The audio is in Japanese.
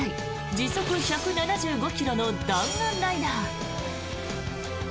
時速１７５ｋｍの弾丸ライナー。